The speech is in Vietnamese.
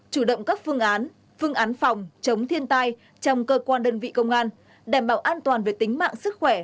chủ động các phương án phương án phòng chống thiên tai trong cơ quan đơn vị công an đảm bảo an toàn về tính mạng sức khỏe